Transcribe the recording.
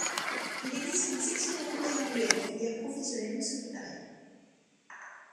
Il existe une section européenne anglais en filière professionnelle de secrétariat.